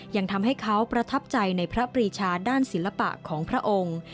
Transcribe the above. ยังทำให้เขาประทับใจในพระปรีชาด้านศิลปะของพระองค์